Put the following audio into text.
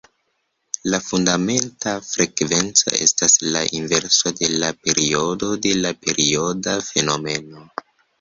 La fundamenta frekvenco estas la inverso de la periodo de la perioda fenomeno.